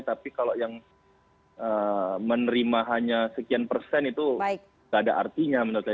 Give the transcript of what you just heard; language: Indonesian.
tapi kalau yang menerima hanya sekian persen itu tidak ada artinya menurut saya